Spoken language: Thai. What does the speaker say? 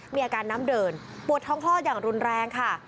มีอาการน้ำเดินปวดท้องคลอดอย่างรุนแรงค่ะ